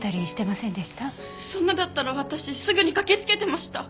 そんなだったら私すぐに駆けつけてました！